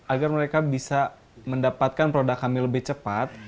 agar mereka bisa mendapatkan produk kami lebih cepat